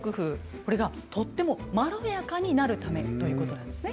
これがとってもまろやかになるためということなんですね。